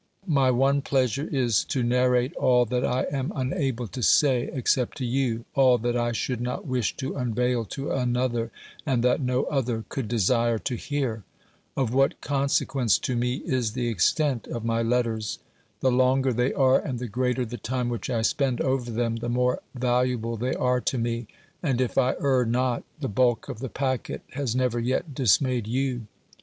My one pleasure is to narrate all that I am unable to say except to you, all that I should not wish to unveil to another, and that no other could desire to hear. Of what con sequence to me is the extent of my letters ? The longer they are, and the greater the time which I spend over them, the more valuable they are to me; and, if I err not, the bulk of the packet has never yet dismayed you.